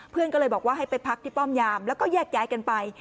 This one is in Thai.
เพื่อนก็เลยบอกว่าให้ไปพักที่ป้อมยามแล้วก็แยกย้ายกันไป